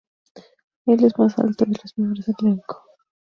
Él es el más alto de los miembros del elenco.